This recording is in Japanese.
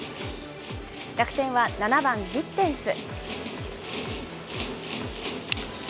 楽天は７番ギッテンス。